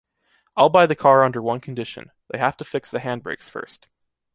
I’ll buy the car under one condition, they have to fix the handbrakes first.